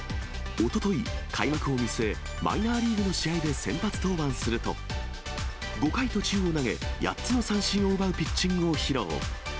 おととい、開幕を見据え、マイナーリーグの試合で先発登板すると、５回途中まで投げ、８つの三振を奪うピッチングを披露。